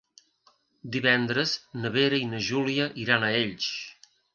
Divendres na Vera i na Júlia iran a Elx.